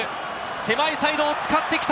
狭いサイドを使ってきた。